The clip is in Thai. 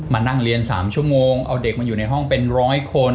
มานั่งเรียน๓ชั่วโมงเอาเด็กมาอยู่ในห้องเป็นร้อยคน